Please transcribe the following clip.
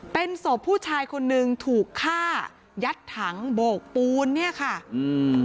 เป็นศพผู้ชายคนนึงถูกฆ่ายัดถังโบกปูนเนี้ยค่ะอืม